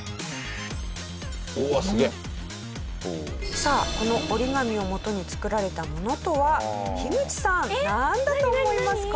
さあこの折り紙をもとに作られたものとは口さんなんだと思いますか？